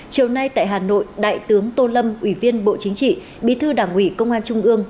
chiều nay tại hà nội đại tướng tô lâm ủy viên bộ chính trị bí thư đảng ủy công an trung ương